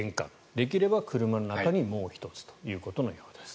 できれば車の中にもう１つということのようです。